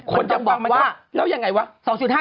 คนจะบอกว่าแล้วยังไงวะ